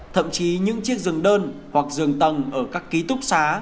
thậm chí những chiếc giường đơn hoặc giường tầng ở các ký túc xá